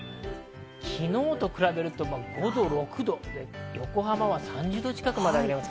昨日と比べると横浜は３０度近くまで上がります。